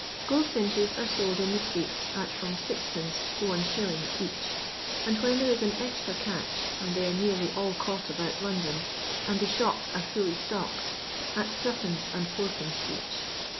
6h)ldfinches are sold in the streets at from 6c?. to If. each, and when there is an extra catch, and they are nearly all caught about London, and the shops are fully stocked, at Sc?. and id, each.